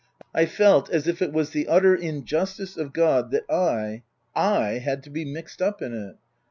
I felt as if it was the utter injustice of God that I / had to be mixed up in it.